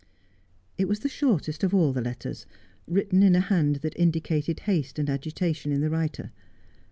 It was the shortest of all the letters, written in a hand that indicated haste and agitation in the writer.